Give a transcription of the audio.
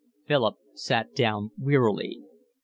Philip sat down wearily.